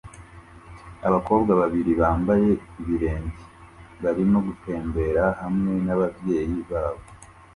Abakobwa babiri bambaye ibirenge barimo gutembera hamwe n'ababyeyi babo